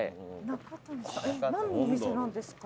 何のお店なんですか？